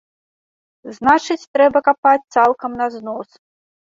Значыць, трэба капаць цалкам на знос.